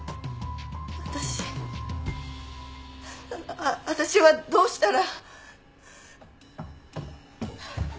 私私はどうしたら。